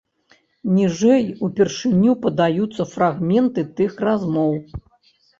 Ніжэй упершыню падаюцца фрагменты тых размоў.